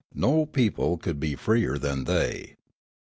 No people could be freer than they.